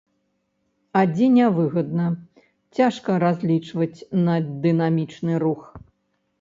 А дзе нявыгадна, цяжка разлічваць на дынамічны рух.